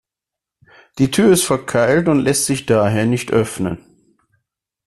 Die Tür ist verkeilt und lässt sich daher nicht öffnen.